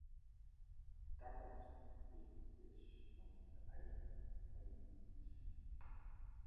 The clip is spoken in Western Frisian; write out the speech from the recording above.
De takomst is ûnwis no't de eigener fallyt gien is.